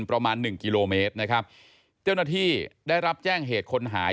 ประมาณหนึ่งกิโลเมตรนะครับเจ้าหน้าที่ได้รับแจ้งเหตุคนหาย